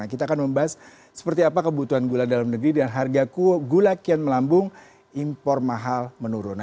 kita akan membahas seperti apa kebutuhan gula dalam negeri dan harga gula kian melambung impor mahal menurun